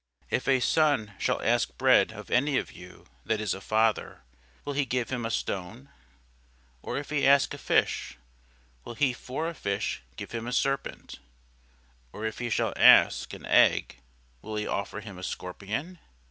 If a son shall ask bread of any of you that is a father, will he give him a stone? or if he ask a fish, will he for a fish give him a serpent? or if he shall ask an egg, will he offer him a scorpion?